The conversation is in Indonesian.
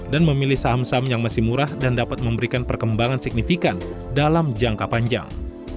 dan memilih saham saham yang masih murah dan dapat memberikan perkembangan signifikan dalam jangka panjang